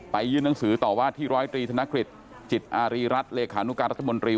ยื่นหนังสือต่อว่าที่ร้อยตรีธนกฤษจิตอารีรัฐเลขานุการรัฐมนตรี